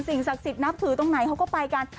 ศักดิ์สิทธิ์นับถือตรงไหนเขาก็ไปกัน